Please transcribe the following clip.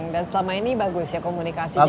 dan selama ini bagus ya komunikasinya